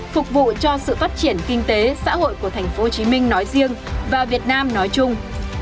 phục vụ cho sự phát triển kinh tế xã hội của tp hcm nói riêng và việt nam nói chung